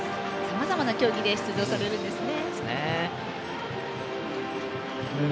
さまざまな競技で出場されるんですね。